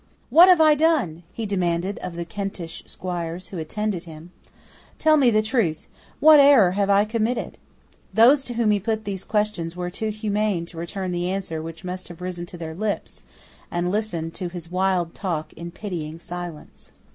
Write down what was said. "What have I done?" he demanded of the Kentish squires who attended him. "Tell me the truth. What error have I committed?" Those to whom he put these questions were too humane to return the answer which must have risen to their lips, and listened to his wild talk in pitying silence.